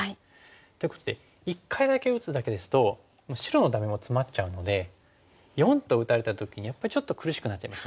っていうことで一回だけ打つだけですと白のダメもツマっちゃうので④と打たれた時にやっぱりちょっと苦しくなっちゃいますよね。